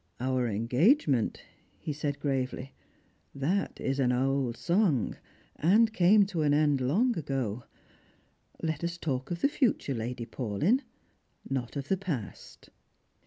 "Our engagement! " he said gravely, "that is an auld sang, and came to an end long ago. Let us talk of the future, Lady Paulyn, not of the past."